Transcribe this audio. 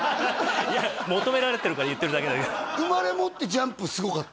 いや求められてるから言ってるだけだけど生まれ持ってジャンプすごかった？